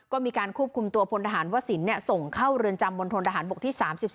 ก็มีการควบคุมตัวพลทหารวสินส่งเข้าเรือนจำมณฑนทหารบกที่๓๒